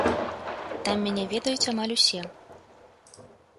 Там мяне ведаюць амаль усе.